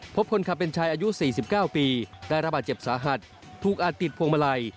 พบคนขับเป็นชายอายุ๔๙ปีได้ระบาดเจ็บสาหัสถูกอาจติดพวงมาลัย